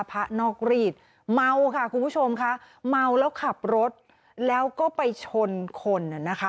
นอกรีดเมาค่ะคุณผู้ชมค่ะเมาแล้วขับรถแล้วก็ไปชนคนน่ะนะคะ